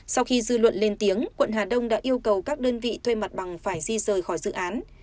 sau khi dư luận lên tiếng quận hà đông đã yêu cầu các đơn vị thuê mặt bằng phải di rời khỏi dự án